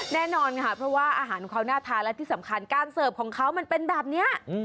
แน่นอนค่ะเพราะว่าอาหารของเขาน่าทานและที่สำคัญการเสิร์ฟของเขามันเป็นแบบนี้